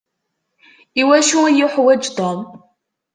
I wacu iyi-yuḥwaǧ Tom?